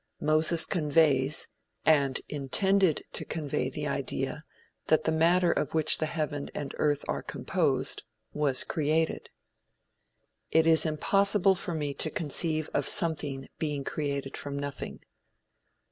Moses conveys, and intended to convey the idea that the matter of which the heaven and the earth are composed, was created. It is impossible for me to conceive of something being created from nothing.